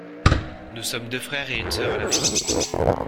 Nous sommes deux frères et une sœur à la maison.